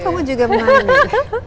oh kamu juga menangis